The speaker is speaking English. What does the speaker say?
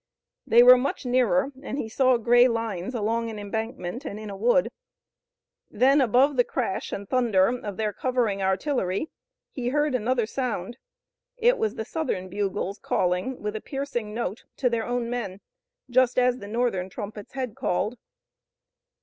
They were much nearer and he saw gray lines along an embankment and in a wood. Then above the crash and thunder of their covering artillery he heard another sound. It was the Southern bugles calling with a piercing note to their own men just as the Northern trumpets had called.